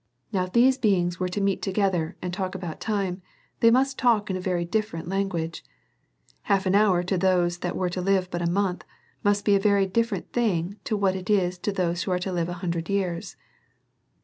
Now, if these beings were to meet together and talk about time, they must talk in a very different lan guage ; half an hour to those who were to live but a month must be a very different thing to what it is to those who are to live a hundred years.